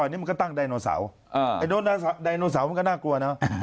นี่มันก็ตั้งไดโนเสาร์ไอ้โนเสาร์ไดโนเสาร์มันก็น่ากลัวนะ